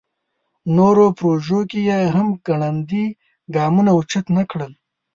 نورو پروژو کې یې هم ګړندي ګامونه اوچت نکړل.